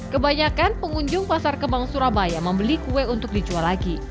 kebanyakan pengunjung pasar kebang surabaya membeli kue untuk dijual lagi